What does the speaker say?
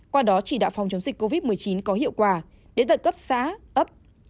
qua đó chỉ đạo phòng chống dịch covid một mươi chín có hiệu quả đến tận cấp xã ấp